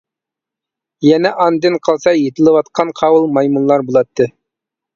يەنە ئاندىن قالسا يېتىلىۋاتقان قاۋۇل مايمۇنلار بولاتتى.